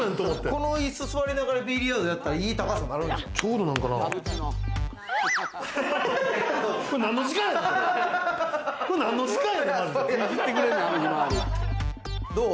この椅子座りながらビリヤードやったら、いい高さなるんちゃう？